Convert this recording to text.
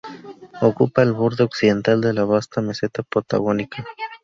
Ocupa el borde occidental de la vasta meseta patagónica.